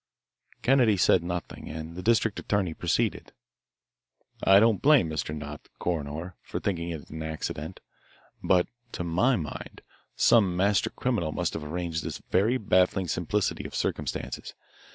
Kennedy said nothing, and the district attorney proceeded: "I don't blame Mr. Nott, the coroner, for thinking it an accident. But to my mind, some master criminal must have arranged this very baffling simplicity of circumstances.